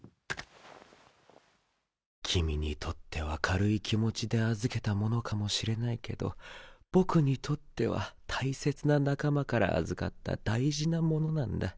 君にとっては軽い気持ちで預けたものかもしれないけど僕にとっては大切な仲間から預かった大事なものなんだ。